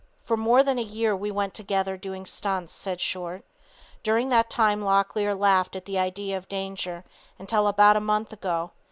"For more than a year we went together doing stunts," said Short. "During that time Locklear laughed at the idea of danger until about a month ago.